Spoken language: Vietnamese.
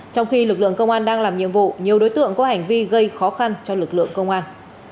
trong khi lực lượng công an đang làm nhiệm vụ nhiều đối tượng có hành vi gây khó khăn cho lực lượng công an